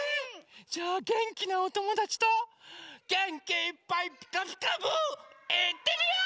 じゃあげんきなおともだちとげんきいっぱい「ピカピカブ！」いってみよう！